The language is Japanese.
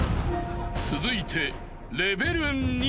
［続いて］